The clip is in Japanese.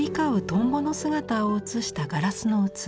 トンボの姿を写したガラスの器。